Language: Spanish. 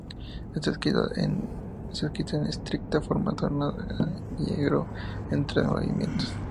Está escrita en estricta forma sonata-allegro, con tres movimientos.